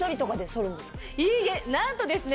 いいえなんとですね